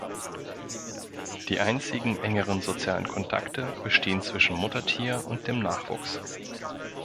Die einzigen engeren sozialen Kontakte bestehen zwischen Muttertier und dem Nachwuchs.